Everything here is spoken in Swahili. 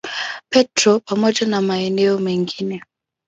Petro pamoja na maeneo mengine.